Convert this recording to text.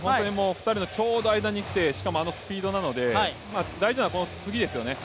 ２人のちょうど間に来て、しかもあのスピードなので大事なのはこの次ですよね。